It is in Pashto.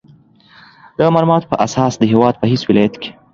د مالوماتو په اساس د هېواد په هېڅ ولایت کې